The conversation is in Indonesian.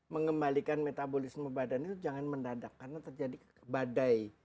mengembalikan metabolisme badan itu jangan mendadak karena terjadi badai